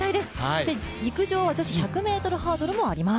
陸上は女子１００ｍハードルもあります。